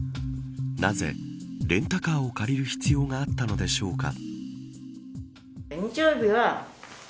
なぜレンタカーを借りる必要があったのでしょうか。